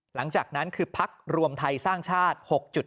หลังจากนั้นคือพักรวมไทยสร้างชาติ๖๗